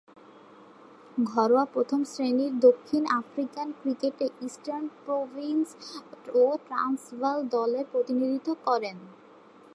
ঘরোয়া প্রথম-শ্রেণীর দক্ষিণ আফ্রিকান ক্রিকেটে ইস্টার্ন প্রভিন্স ও ট্রান্সভাল দলের প্রতিনিধিত্ব করেন।